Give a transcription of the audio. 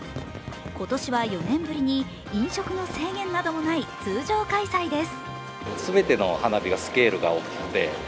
今年は４年ぶりに飲食の制限などもない通常開催です。